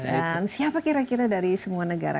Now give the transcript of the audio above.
dan siapa kira kira dari semua negara